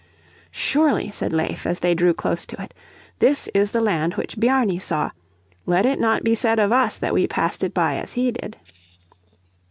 "Surely," said Leif, as they drew close to it, "this is the land which Bjarni saw. Let it not be said of us that we passed it by as he did."